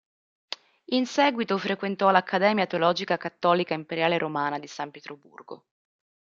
In seguito frequentò l'Accademia teologica Cattolica Imperiale romana di San Pietroburgo.